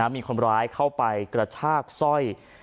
มีคนร้ายเข้าไปกระชากสร้อย